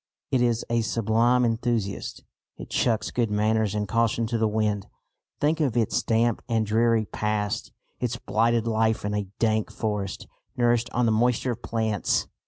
It is a sublime enthusiast. It chucks good manners and caution to the wind. Think of its damp and dreary past, its blighted life in a dank forest, nourished on the moisture of plants!